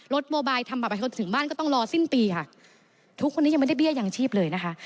โมบายทำบัตรประชาชนถึงบ้านก็ต้องรอสิ้นปีค่ะทุกคนนี้ยังไม่ได้เบี้ยยังชีพเลยนะคะ